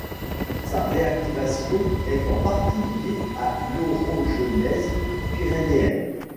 Sa réactivation est en partie liée à l'orogenèse pyrénéenne.